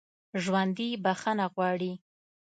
ژوندي بخښنه غواړي